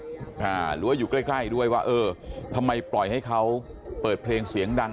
หรือว่าอยู่ใกล้ใกล้ด้วยว่าเออทำไมปล่อยให้เขาเปิดเพลงเสียงดัง